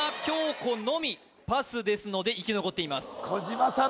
古のみパスですので生き残っています小島さん